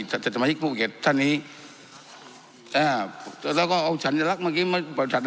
สัตว์ธรรมชิกภูเกษท่านนี้อ่าแล้วก็เอาฉันลักษณ์เมื่อกี้